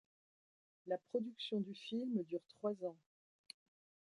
La production du film dure trois ans.